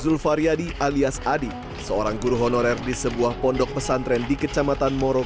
zulfaryadi alias adi seorang guru honorer di sebuah pondok pesantren di kecamatan moro